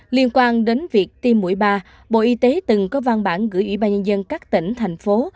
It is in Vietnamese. liên quan đến việc tiêm mũi ba bộ y tế từng có văn bản gửi ủy ban nhân dân các tỉnh thành phố